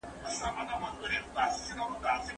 وخت هم یو ادراک دی.